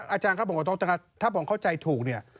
อาจารย์ครับผมถ้าผมเข้าใจถูกเนี่ย